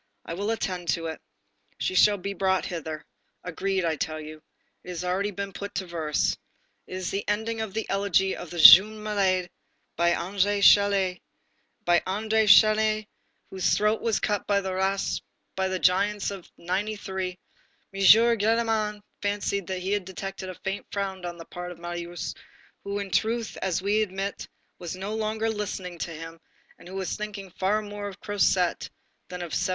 I will attend to it. She shall be brought hither. Agreed, I tell you. It has already been put into verse. This is the ending of the elegy of the 'Jeune Malade' by André Chénier, by André Chénier whose throat was cut by the ras ... by the giants of '93." M. Gillenormand fancied that he detected a faint frown on the part of Marius, who, in truth, as we must admit, was no longer listening to him, and who was thinking far more of Cosette than of 1793.